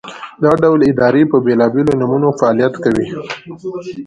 دا ډول ادارې په بېلابېلو نومونو فعالیت کوي.